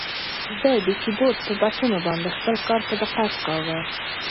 ده د کیبورډ په بټنو باندې خپل کار په دقت کاوه.